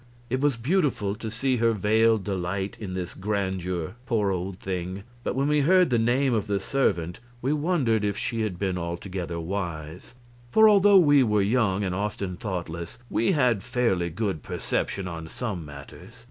It was beautiful to see her veiled delight in this grandeur, poor old thing, but when we heard the name of the servant we wondered if she had been altogether wise; for although we were young, and often thoughtless, we had fairly good perception on some matters.